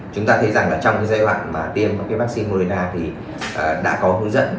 chúng ta thấy rằng là trong cái giai đoạn mà tiêm cái vaccine moderna thì đã có hướng dẫn